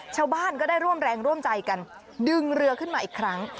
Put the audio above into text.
ชาวบ้านก็ได้ร่วมแรงร่วมใจกันดึงเรือขึ้นมาอีกครั้ง